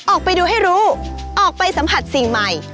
ออกไปดูให้รู้ออกไปสัมผัสสิ่งใหม่